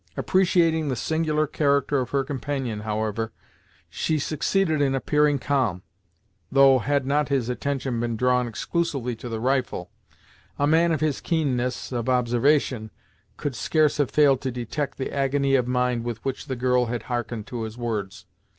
Appreciating the singular character of her companion, however, she succeeded in appearing calm, though, had not his attention been drawn exclusively to the rifle, a man of his keenness of observation could scarce have failed to detect the agony of mind with which the girl had hearkened to his words.